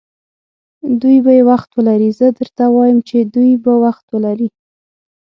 دوی به یې وخت ولري، زه درته وایم چې دوی به وخت ولري.